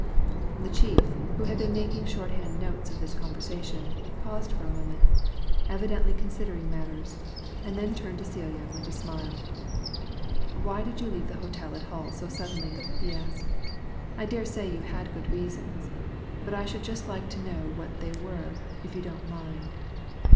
The chief, who had been making shorthand notes of this conversation, paused for a moment, evidently considering matters, and then turned to Celia with a smile. "Why did you leave the hotel at Hull so suddenly?" he asked. "I daresay you had good reasons, but I should just like to know what they were, if you don't mind."